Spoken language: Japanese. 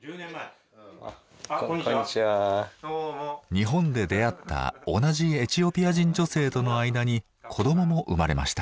日本で出会った同じエチオピア人女性との間に子供も生まれました。